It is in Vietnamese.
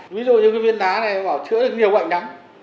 ví dụ như viên đá này bảo chữa được nhiều bệnh đắng